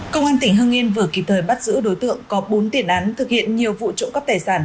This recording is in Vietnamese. công an tỉnh hưng yên vừa kịp thời bắt giữ đối tượng có bốn tiền án thực hiện nhiều vụ trộm cắp tài sản